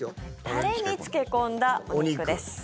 タレに漬け込んだお肉です。